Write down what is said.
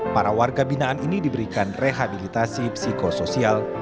para warga binaan ini diberikan rehabilitasi psikosoial